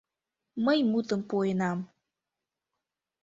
Мый мутым пуэнам.